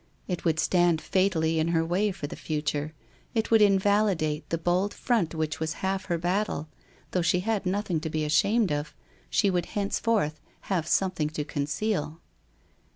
It would stand fatally in her way for the future, it would invalidate the bold front which was half her battle; though she had nothing to be ashamed of, she would henceforth have something to conceal.